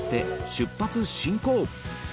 出発進行！